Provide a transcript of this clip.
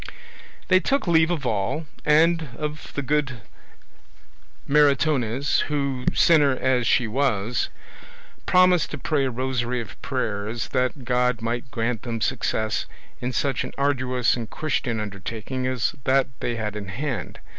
They took leave of all, and of the good Maritornes, who, sinner as she was, promised to pray a rosary of prayers that God might grant them success in such an arduous and Christian undertaking as that they had in hand.